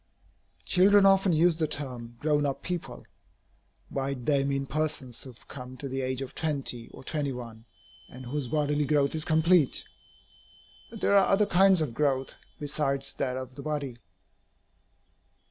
Children often use the term "grown up people." By it they mean persons who have come to the age of twenty, or twenty one, and whose bodily growth is complete. But there are other kinds of growth, besides that of the body.